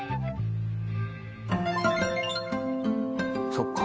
そっか。